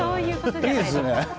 いいですね。